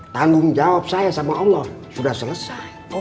tanggung jawab saya sama allah sudah selesai